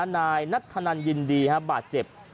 นายนัทธนันยินดีบาดเจ็บ